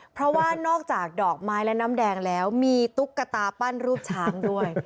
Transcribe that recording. เพราะว่านอกจากดอกไม้และน้ำแดงแล้วมีตุ๊กตาปั้นรูปช้างด้วย